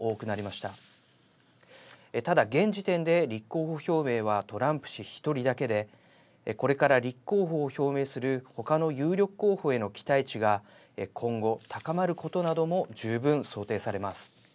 ただ、現時点で立候補表明はトランプ氏１人だけでこれから立候補を表明する他の有力候補への期待値が今後高まることなども十分想定されます。